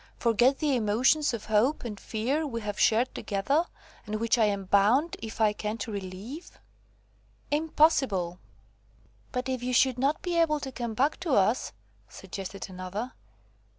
Forget the emotions of hope and fear we have shared together, and which I am bound, if I can, to relieve? Impossible!" "But if you should not be able to come back to us," suggested another.